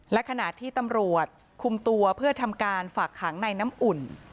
และขณะที่ตำรวจคุมตัวเพื่อทำการฝากขังในน้ำอุ่น